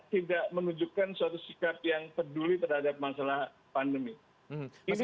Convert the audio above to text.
tidak menunjukkan suatu sikap yang peduli terhadap masalah pandemi